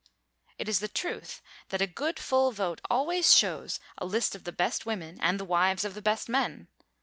It is the truth that a good full vote always shows a list of the best women and the wives of the best men.